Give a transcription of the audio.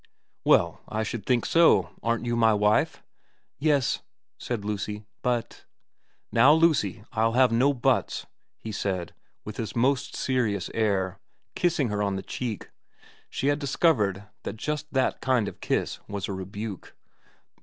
' Well, I should think so. Aren't you my wife ?'* Yes,' said Lucy. ' But '' Now, Lucy, I'll have no buts,' he said, with his most serious air, kissing her on the cheek, she had discovered that just that kind of kiss was a rebuke.